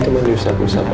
cuman diusap usap aja